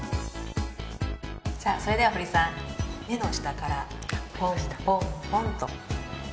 それでは堀さん目の下からポンポンポンと。